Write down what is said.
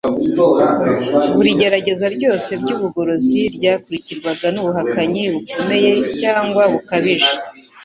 Buri gerageza ryose ry'ubugorozi ryakurikirwaga n'ubuhakanyi bukomeye cyangwa bukabije.